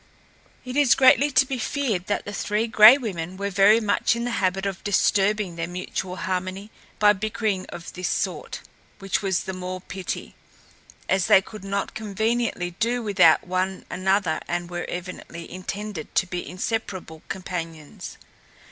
It is greatly to be feared that the Three Gray Women were very much in the habit of disturbing their mutual harmony by bickerings of this sort, which was the more pity, as they could not conveniently do without one another and were evidently intended to be inseparable companions.